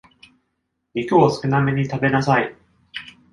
肉を少なめに食べなさい。